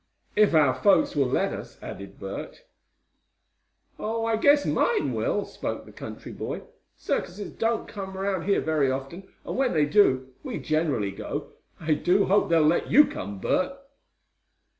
"If our folks will let us," added Bert. "Oh, I guess mine will," spoke the country boy. "Circuses don't come around here very often, and when they do, we generally go. I do hope they'll let you come, Bert."